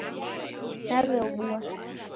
Naw'eobua